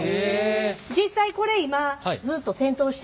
実際これ今ずっと点灯してるもの